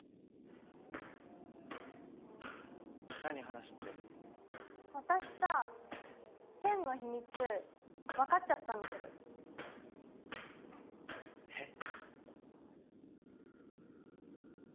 話って私さ健の秘密分かっちゃったんだけどえっ？